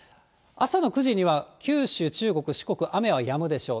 朝の９時には九州、中国、四国、雨はやむでしょう。